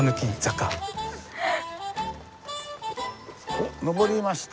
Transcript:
おっ上りました。